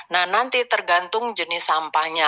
nah nanti tergantung jenis sampahnya